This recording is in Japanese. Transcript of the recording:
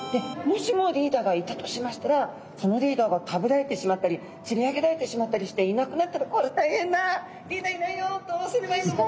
もしもリーダーがいたとしましたらそのリーダーが食べられてしまったりつり上げられてしまったりしていなくなったら「これは大変だ！リーダーいないよどうすればいいの？